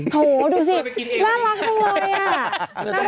โถดูสิน่ารักเท่าไร